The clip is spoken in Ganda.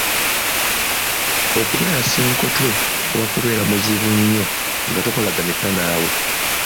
Okubeera ssenkotwe kuba kubeera muzibu nnyo nga takolagaanika naawe